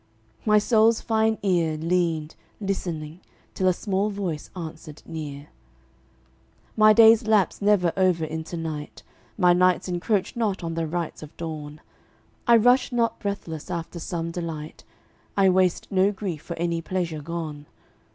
My soul's fine ear Leaned, listening, till a small voice answered near: "My days lapse never over into night; My nights encroach not on the rights of dawn. I rush not breathless after some delight; I waste no grief for any pleasure gone.